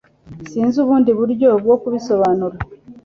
Sinzi ubundi buryo bwo kubisobanura